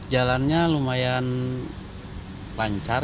jalannya lumayan pancang